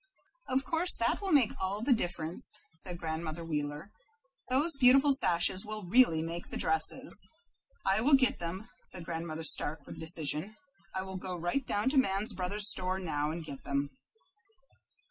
"Of course they will make all the difference," said Grandmother Wheeler. "Those beautiful sashes will really make the dresses." "I will get them," said Grandmother Stark, with decision. "I will go right down to Mann Brothers' store now and get them."